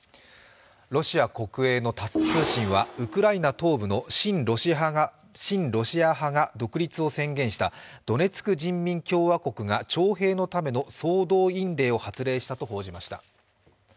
ロシア国営のタス通信は、ウクライナ東部の親ロシア派が独立を宣言したドネツク人民共和国が徴兵のための総動員令を発令したと報じました。